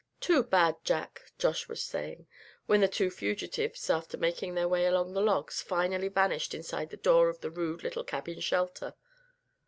"Too bad, Jack!" Josh was saying, when the two fugitives, after making their way along the logs finally vanished inside the door of the rude little cabin shelter.